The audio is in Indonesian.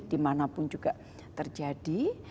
dimanapun juga terjadi